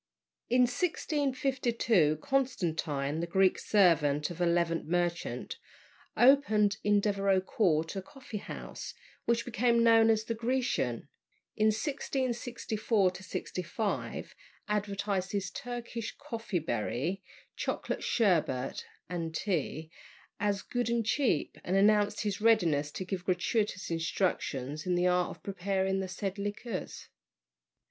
In 1652 Constantine, the Greek servant of a Levant merchant, opened in Devereux Court a coffee house, which became known as "The Grecian." In 1664 5 advertised his Turkey "coffee bery," chocolate, "sherbet," and tea, as good and cheap, and announced his readiness to give gratuitous instructions in the art of preparing the said liquors.